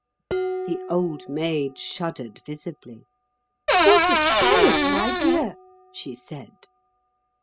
The Old Maid shuddered visibly. "What a terrible idea!" she said.